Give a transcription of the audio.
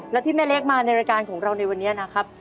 แล้วที่แม่เล็กมาในรายการของเราในวันนี้นะครับ